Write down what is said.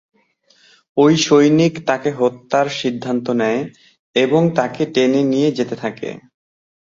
ঐ সৈনিক তাকে হত্যার সিদ্ধান্ত নেয়, এবং তাকে টেনে নিয়ে যেতে থাকে।